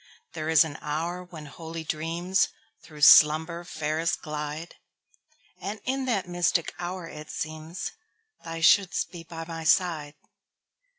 There is an hour when holy dreamsThrough slumber fairest glide; And in that mystic hour it seemsThou shouldst be by my side.